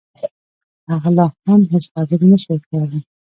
هغه لا هم هېڅ خبرې نشوای کولای